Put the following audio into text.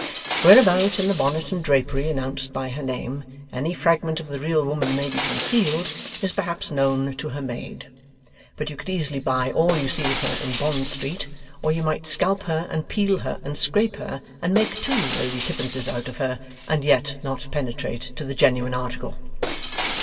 Whereabout in the bonnet and drapery announced by her name, any fragment of the real woman may be concealed, is perhaps known to her maid; but you could easily buy all you see of her, in Bond Street; or you might scalp her, and peel her, and scrape her, and make two Lady Tippinses out of her, and yet not penetrate to the genuine article.